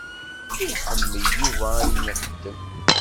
Iḥemmel Yuba ayen ixeddem.